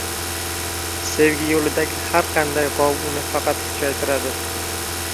Sevgi yo‘lidagi har qanday g‘ov uni faqat kuchaytiradi.